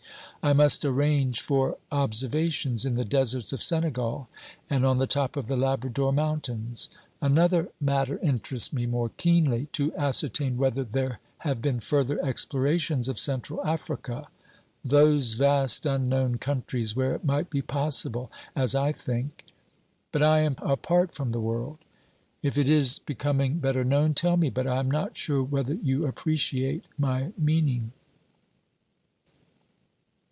I must arrange for observations in the deserts of Senegal and on the top of the Labrador mountains. Another matter interests me more keenly — to ascertain whether there have been further explorations of Central Africa. Those vast unknown countries, where it might be possible, as I think — But I am apart from the world. If it is be coming better known, tell me, but I am not sure whether you appreciate my meaning.